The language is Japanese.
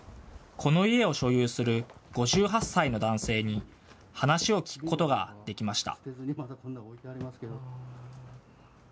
この家を所有する５８歳の男性に話を聞くことができました。